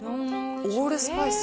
オールスパイス？